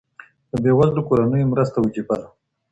د بې وزلو کورنیو مرسته وجیبه ده.